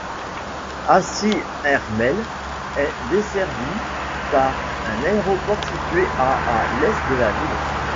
Hassi R'mel est desservie par un aéroport situé à à l'est de la ville.